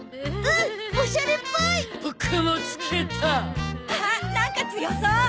わあなんか強そう！